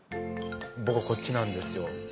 僕こっちなんですよ。